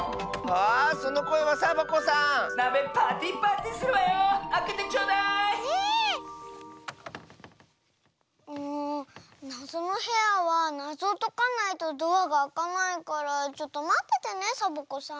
でもなぞのへやはなぞをとかないとドアがあかないからちょっとまっててねサボ子さん。